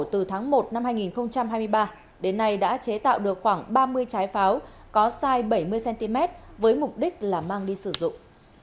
từ tháng một năm hai nghìn hai mươi ba đến nay đã chế tạo được khoảng ba mươi trái pháo có sai bảy mươi cm với mục đích là mang đi sử dụng